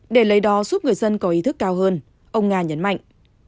để lấy đó giúp người dân có ý thức cao hơn ông nga nhấn mạnh